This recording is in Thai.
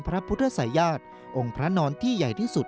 พระพุทธศัยญาติองค์พระนอนที่ใหญ่ที่สุด